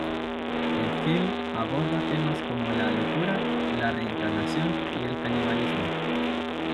El film aborda temas como la locura, la reencarnación y el canibalismo.